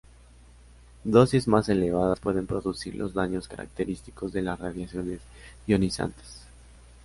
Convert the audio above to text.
Dosis más elevadas pueden producir los daños característicos de las radiaciones ionizantes.